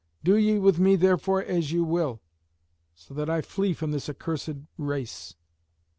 Do ye with me, therefore, as ye will, so that I flee from this accursed race."